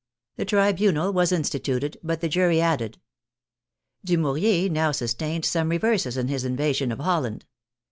The tribunal was instituted but the jury added. Dumouriez now sustained some reverses in his invasion of Holland.